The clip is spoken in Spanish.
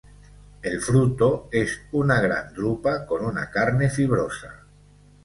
El fruto es una gran drupa, con una carne fibrosa.